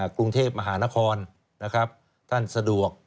กรุงเทพฯมหานครท่านสะดวก